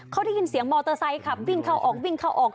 เขาได้ยินเสียงมอเตอร์ไซค์ขับวิ่งเข้าออก